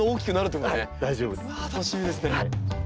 うわ楽しみですね。